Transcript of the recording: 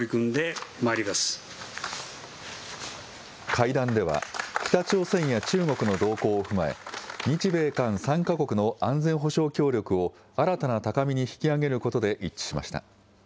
会談では、北朝鮮や中国の動向を踏まえ、日米韓３か国の安全保障協力を新たな高みに引き上げることで一致しました。